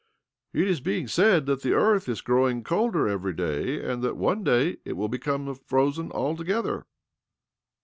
"" It is being said that the earth is growir colder every day, and that one day it w: become frozen altogether."